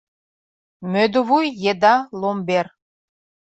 Мӧдывуй еда — ломбер.